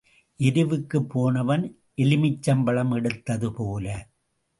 எருவுக்குப் போனவன் எலுமிச்சம் பழம் எடுத்தது போல.